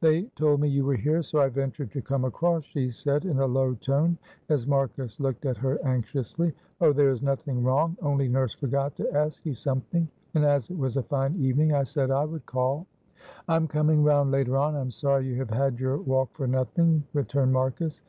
"They told me you were here, so I ventured to come across," she said, in a low tone, as Marcus looked at her anxiously. "Oh, there is nothing wrong, only nurse forgot to ask you something, and as it was a fine evening I said I would call." "I am coming round later on. I am sorry you have had your walk for nothing," returned Marcus.